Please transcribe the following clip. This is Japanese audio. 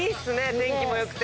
天気も良くて。